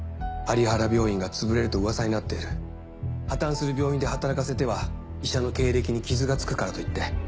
有原病院がつぶれるとウワサになっている破綻する病院で働かせては医者の経歴に傷がつくからと言って。